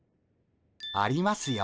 ありますよ